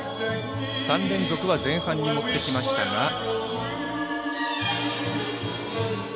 ３連続は前半に持ってきましたが。